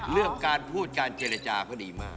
เรื่องการพูดการเจรจาก็ดีมาก